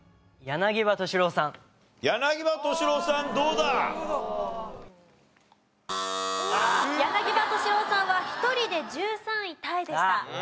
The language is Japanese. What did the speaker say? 柳葉敏郎さんは１人で１３位タイでした。